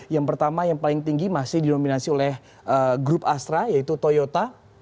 yang pertama yang paling tinggi masih didominasi oleh grup astra yaitu toyota